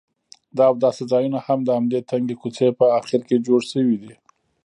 د اوداسه ځایونه هم د همدې تنګې کوڅې په اخر کې جوړ شوي دي.